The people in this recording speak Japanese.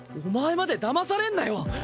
お前までだまされんなよ！